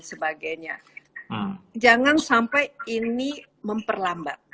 sebagainya jangan sampai ini memperlambat